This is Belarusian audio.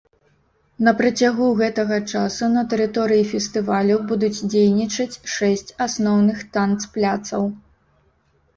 На працягу гэтага часу на тэрыторыі фестывалю будуць дзейнічаць шэсць асноўных танцпляцаў.